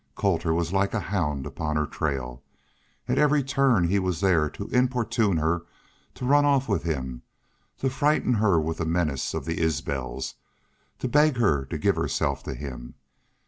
Colter was like a hound upon her trail. At every turn he was there to importune her to run off with him, to frighten her with the menace of the Isbels, to beg her to give herself to him.